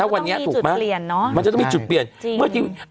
มันก็จะต้องมีจุดเปลี่ยนมันก็ใช่